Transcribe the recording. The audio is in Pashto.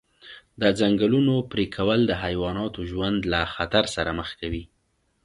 د ځنګلونو پرېکول د حیواناتو ژوند له خطر سره مخ کوي.